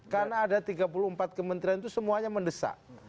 karena ada tiga puluh empat kementerian itu semuanya mendesak